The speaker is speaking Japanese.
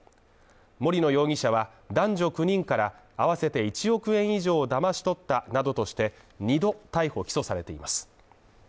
森野容疑者は、男女９人から合わせて１億円以上をだまし取ったなどとして２度逮捕起訴されています。